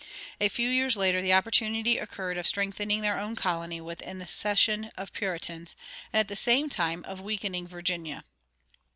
A few years later the opportunity occurred of strengthening their own colony with an accession of Puritans, and at the same time of weakening Virginia.